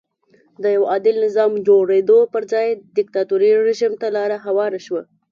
د یوه عادل نظام جوړېدو پر ځای دیکتاتوري رژیم ته لار هواره شوه.